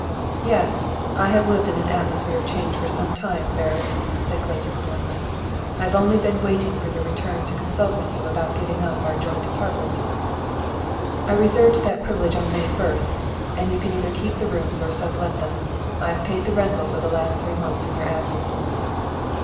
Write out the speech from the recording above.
"Yes; I have lived in an atmosphere of change for some time, Ferris," said Clayton, bluntly. "I have only been waiting for your return to consult with you about giving up our joint apartment. "I reserved that privilege on May 1st, and you can either keep the rooms or sublet them. I have paid the rental for the last three months in your absence."